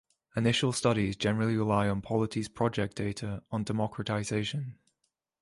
Initial studies generally rely on the Polity Project's data on democratization.